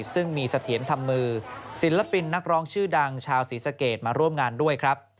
ซึ่งมีเสถียรทำมือศิลปินนักร้องชื่อดังชาวศรีสะเกดมาร่วมงานด้วยครับ